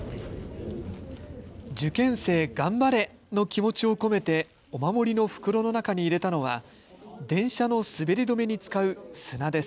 受験生、頑張れ！の気持ちを込めてお守りの袋の中に入れたのは電車の滑り止めに使う砂です。